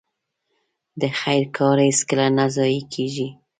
د خير کار هيڅکله نه ضايع کېږي.